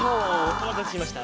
おまたせしました！